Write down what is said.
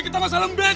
kita masalah lembek